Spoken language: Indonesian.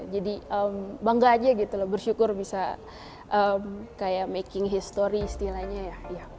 jadi bangga aja gitu loh bersyukur bisa kayak making history istilahnya ya